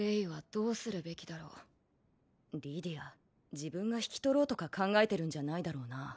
自分が引き取ろうとか考えてるんじゃないだろうな？